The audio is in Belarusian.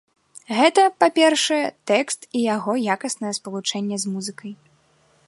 Гэта, па-першае, тэкст і яго якаснае спалучэнне з музыкай.